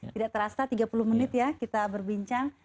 tidak terasa tiga puluh menit ya kita berbincang